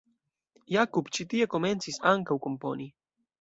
Jakub ĉi tie komencis ankaŭ komponi.